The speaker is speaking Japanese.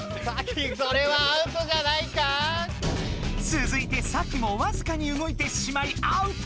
続いてサキもわずかに動いてしまいアウト！